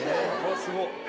すごっ。